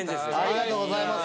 ありがとうございます。